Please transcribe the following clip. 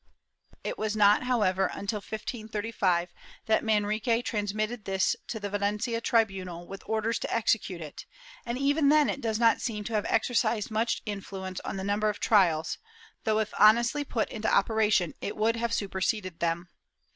It was not, however, until 1535 that Manrique transmitted this to the Valencia tribimal with orders to execute it, and even then it does not seem to have exercised much influence on the number of trials, though if honestly put into operation it would have superseded them.